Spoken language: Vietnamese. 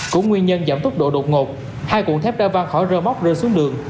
cũng nguyên nhân giảm tốc độ đột ngột hai cuộn thép đã văn khỏi rơ móc rơi xuống đường